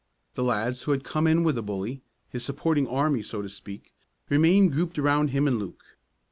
The lads who had come in with the bully his supporting army so to speak remained grouped around him and Luke.